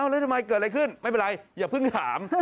แล้วทำไมเกิดอะไรขึ้นไม่เป็นไรอย่าเพิ่งถาม